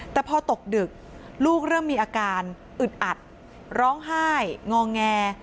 แต่พอตกดึกลูกเริ่มมีอาการอึดอัดร้องไห้งอแง